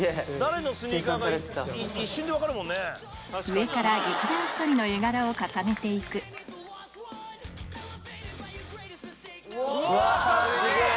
上から劇団ひとりの絵柄を重ねて行くうわすげぇ！